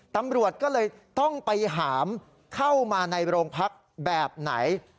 ตำรวจก็เลยต้องไปหามเข้ามาในโรงพักแบบไหน